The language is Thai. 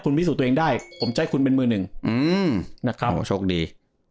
คุณพิสูจน์ตัวเองได้ผมจะให้คุณเป็นมือหนึ่งนะครับโชคดี